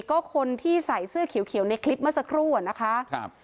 ก็คนที่ใส่เสื้อเขียวในคลิปเมื่อสักครู่อะนะคะครับ